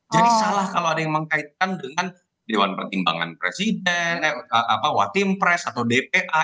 jadi salah kalau ada yang mengaitkan dengan dewan pertimbangan presiden one team press atau dpa